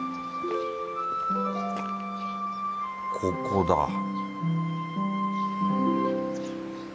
ここだ